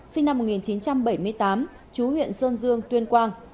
sinh năm một nghìn chín trăm bảy mươi tám chú huyện sơn dương tuyên quang